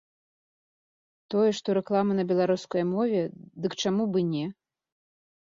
Тое, што рэклама на беларускай мове, дык чаму б і не?